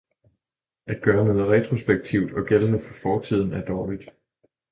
At gøre noget retrospektivt og gældende for fortiden er dårligt.